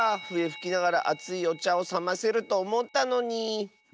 ふえふきながらあついおちゃをさませるとおもったのに。